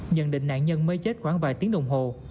nhận định nạn nhân mới chết khoảng vài tiếng đồng hồ